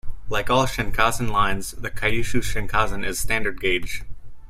Like all Shinkansen lines, the Kyushu Shinkansen is standard gauge.